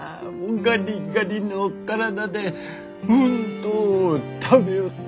ガリガリの体でうんと食べよった。